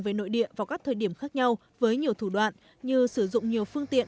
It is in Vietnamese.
về nội địa vào các thời điểm khác nhau với nhiều thủ đoạn như sử dụng nhiều phương tiện